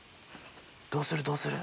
どうする？